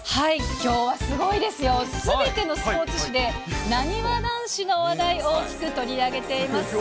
きょうはすごいですよ、すべてのスポーツ紙で、なにわ男子の話題、大きく取り上げています。